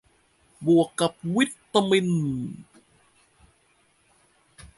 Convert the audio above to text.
บวกกับวิตามิน